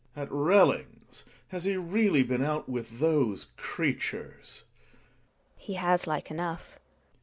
At Relling's ! Has he really been out with those creatures ? GiNA. He has like enough.